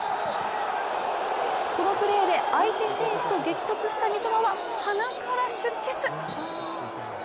このプレーで、相手選手と激突した三笘は鼻から出血。